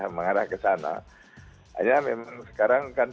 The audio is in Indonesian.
hanya memang sekarang kan biasa kita ngelihatnya sama sama gitu ya karena ini memang memang